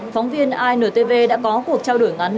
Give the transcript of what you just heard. phóng viên intv đã có cuộc trao đổi ngắn